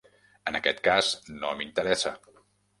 En aquest cas, no m'interessa.